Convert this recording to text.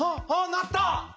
なった！